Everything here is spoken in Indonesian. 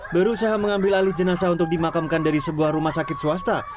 berusaha mengambil alih jenazah untuk dimakamkan dari sebuah rumah sakit swasta